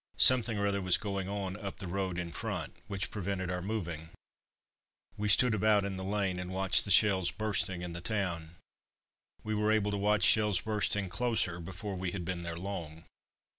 Something or other was going on up the road in front, which prevented our moving. We stood about in the lane, and watched the shells bursting in the town. We were able to watch shells bursting closer before we had been there long.